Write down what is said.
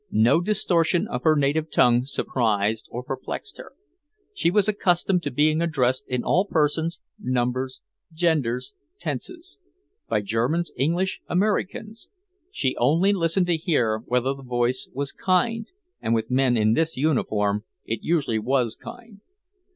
No distortion of her native tongue surprised or perplexed her. She was accustomed to being addressed in all persons, numbers, genders, tenses; by Germans, English, Americans. She only listened to hear whether the voice was kind, and with men in this uniform it usually was kind.